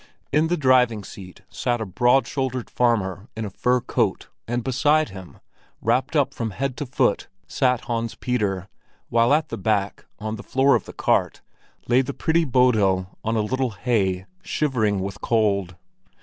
In the driving seat sat a broad shouldered farmer in a fur coat, and beside him, wrapped up from head to foot, sat Hans Peter, while at the back, on the floor of the cart, lay the pretty Bodil on a little hay, shivering with cold.